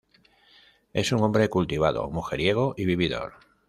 Es un hombre cultivado, mujeriego y vividor.